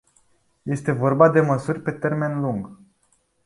Este vorba de măsuri pe termen lung.